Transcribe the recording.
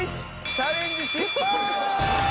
チャレンジ失敗！